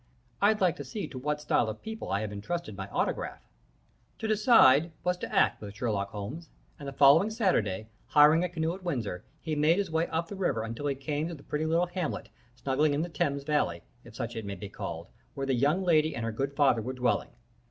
I'd like to see to what style of people I have intrusted my autograph.' "To decide was to act with Sherlock Holmes, and the following Saturday, hiring a canoe at Windsor, he made his way up the river until he came to the pretty little hamlet, snuggling in the Thames Valley, if such it may be called, where the young lady and her good father were dwelling.